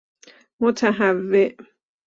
متهوع